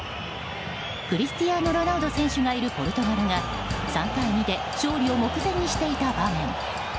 クリスティアーノ・ロナウド選手がいるポルトガルが３対２で勝利を目前にしていた場面。